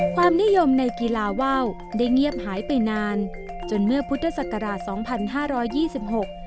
ความนิยมในกีฬาว่าวได้เงียบหายไปนานจนเมื่อพุทธศักราชสองพันห้าร้อยยี่สิบหก